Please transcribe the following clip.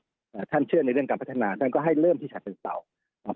อ่าท่านเชื่อในเรื่องการพัฒนาท่านก็ให้เริ่มที่ชาเซ็นเซาน่า